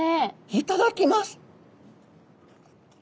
いただきます。